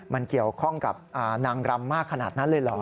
มันเกี่ยวข้องกับนางรำมากขนาดนั้นเลยเหรอ